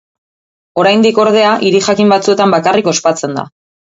Oraindik, ordea, hiri jakin batzuetan bakarrik ospatzen da.